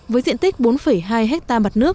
với diện tích bốn hai ha